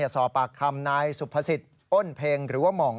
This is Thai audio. สอบปากคำนายสุภสิทธิ์อ้นเพ็งหรือว่าหม่อง